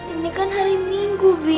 ini kan hari minggu